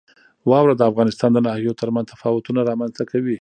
واوره د افغانستان د ناحیو ترمنځ تفاوتونه رامنځته کوي.